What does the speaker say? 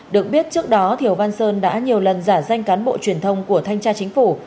được biết trước đó thiều văn sơn đã nhiều lần giả danh cán bộ truyền thông của thanh tra chính phủ